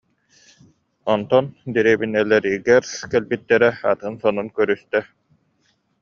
Онтон дэриэбинэлэригэр кэлбиттэрэ атын сонун көрүстэ